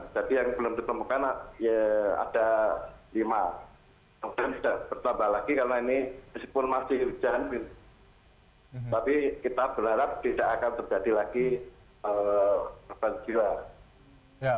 tapi kita berharap tidak akan terjadi lagi korban gila